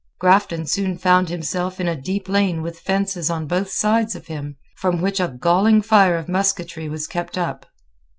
Grafton soon found himself in a deep lane with fences on both sides of him, from which a galling fire of musketry was kept up.